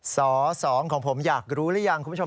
ส๒ของผมอยากรู้หรือยังคุณผู้ชม